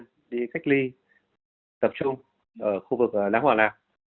chúng tôi đã đi cách ly tập trung ở khu vực lãng hòa lạc